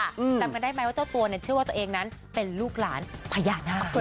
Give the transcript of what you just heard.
จำกันได้ไหมว่าเจ้าตัวเนี่ยเชื่อว่าตัวเองนั้นเป็นลูกหลานพญานาค